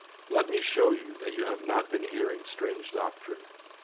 Let me show you that you have not been hearing strange doctrine.